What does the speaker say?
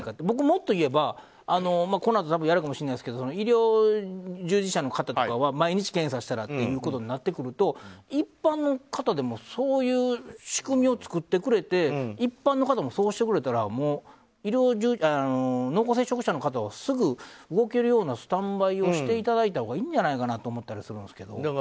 僕、もっと言えばこのあと、多分やるかもしれないですけど医療従事者の方とかは毎日検査したらっていうことになってくると一般の方でもそういう仕組みを作ってくれて一般の方もそうしてくれたら濃厚接触者の方はすぐ動けるようなスタンバイをしていただいたほうがいいんじゃないかなと思ったりするんですけど。